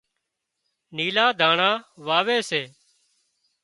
نيلُا ڌانڻا واوي سي